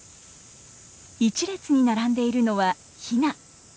一列に並んでいるのはヒナ。